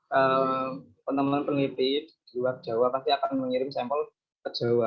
kalau teman teman peneliti di luar jawa pasti akan mengirim sampel ke jawa